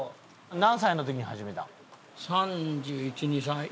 何歳の時に始めたの？